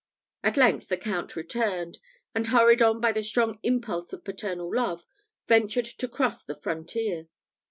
At length the Count returned; and, hurried on by the strong impulse of paternal love, ventured to cross the frontier.